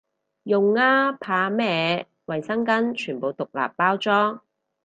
用啊，怕咩，衛生巾全部獨立包裝